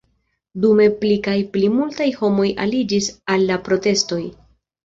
Dume pli kaj pli multaj homoj aliĝis al la protestoj.